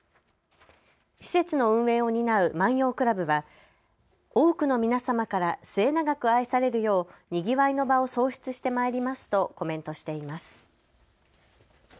施設の運営を担う万葉倶楽部は多くの皆様から末永く愛されるよう、にぎわいの場を創出してまいりますとコメントしています。